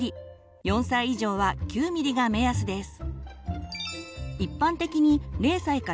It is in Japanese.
４歳以上は９ｍｍが目安です。